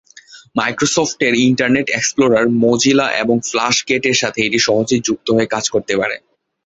Microsoft এর Internet Explorer, Mozilla এবং FlashGet এর সাথে এটি সহজেই যুক্ত হয়ে কাজ করতে পারে।